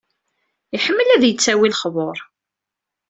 Iḥemmel ad yettawi lexbur.